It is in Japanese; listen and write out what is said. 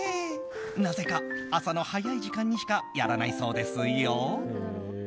なぜか朝の早い時間にしかやらないそうですよ。